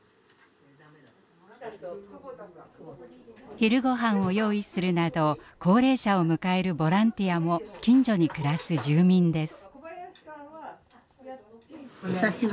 昼ごはんを用意するなど高齢者を迎えるボランティアも近所に暮らす住民です。